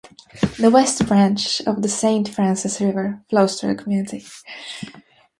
The West Branch of the Saint Francis River flows through the community.